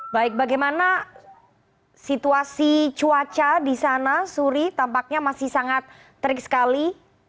baik bagaimana situasi cuaca di sana suri tampaknya masih sangat terik sekali